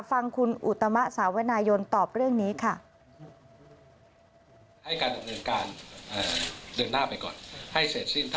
ฟังคุณอุตมะสาวนายนตอบเรื่องนี้ค่ะ